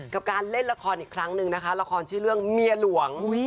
กับการเล่นละครอีกครั้งหนึ่งนะคะละครชื่อเรื่องเมียหลวง